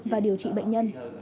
và điều trị bệnh nhân